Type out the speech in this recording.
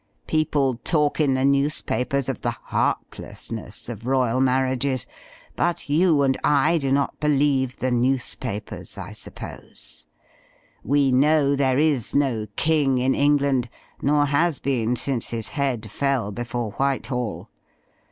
People talk in the newspapers of the heartlessness of royal marriages. But you and I do not believe the newspapers, I sup pose. We know there is no King in England ; nor has been since his head fell before Whitehall.